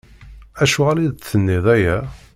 Acuɣer i d-tenniḍ aya?